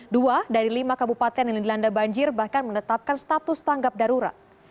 dua dari lima kabupaten yang dilanda banjir bahkan menetapkan status tanggap darurat